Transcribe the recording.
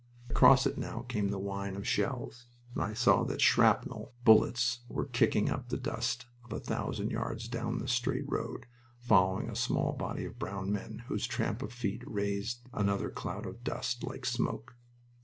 Across it now came the whine of shells, and I saw that shrapnel bullets were kicking up the dust of a thousand yards down the straight road, following a small body of brown men whose tramp of feet raised another cloud of dust, like smoke.